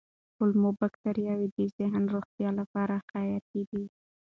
کولمو بکتریاوې د ذهني روغتیا لپاره حیاتي دي.